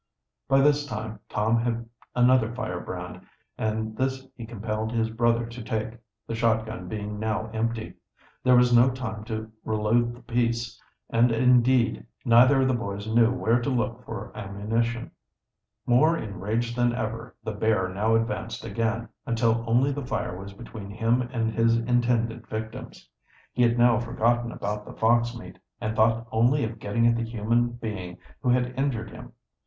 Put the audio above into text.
By this time Tom had another firebrand, and this he compelled his brother to take, the shotgun being now empty. There was no time to reload the piece, and indeed, neither of the boys knew where to look for ammunition. More enraged than ever, the bear now advanced again, until only the fire was between him and his intended victims. He had now forgotten about the fox meat, and thought only of getting at the human being who had injured him.